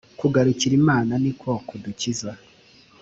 Kugarukira Imana ni ko kudukiza